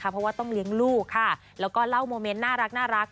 เพราะว่าต้องเลี้ยงลูกค่ะแล้วก็เล่าโมเมนต์น่ารัก